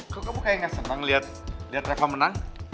kok kamu kayak ga senang liat reva menang